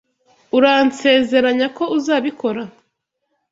Uransezeranya ko uzabikora?